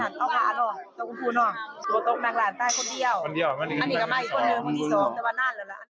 อันนี้ก็ไม่อีกคนหนึ่งคนที่สองแต่ว่านั่นเลยล่ะ